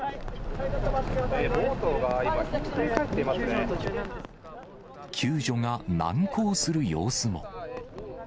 ボートが今、ひっくり返って救助が難航する様子も。